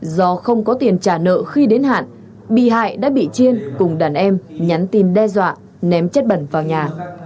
do không có tiền trả nợ khi đến hạn bị hại đã bị chiên cùng đàn em nhắn tin đe dọa ném chất bẩn vào nhà